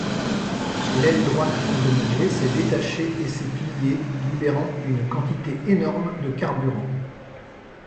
L'aile droite endommagée s'est détaché et s'est pliée, libérant une quantité énorme de carburant.